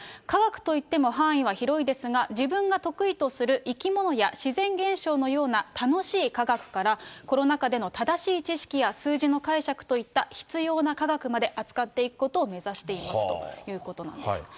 科学といっても範囲は広いですが、自分が得意とする生き物や自然現象のような楽しい科学から、コロナ禍での正しい知識や数字の解釈といった必要な科学まで扱っていくことを目指していますということなんです。